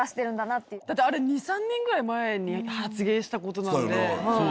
あれ２３年ぐらい前に発言したことなんではい。